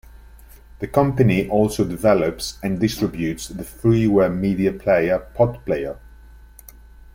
The company also develops and distributes the freeware media player PotPlayer.